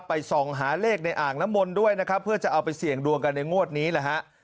ไปส่องหาเลขในองค์ละมนด้วยเพื่อจะเอาไปเสียงดวงในงวดนี้นะฮะ